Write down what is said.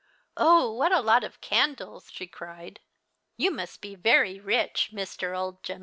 " Oh, what a lot of candles !" she cried. " You must be very rich, Mr. Old Gentleman."